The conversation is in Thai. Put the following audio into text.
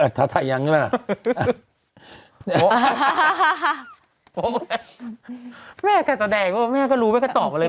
แม่กะแสดดแดงพี่แม่ก็รูไปกะตอบเลย